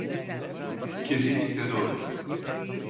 Kesinlikle doğru!